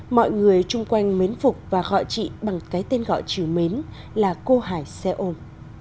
mọi người chung quanh mến phục và gọi chị bằng cái tên gọi trừ mến là cô hải xe ôn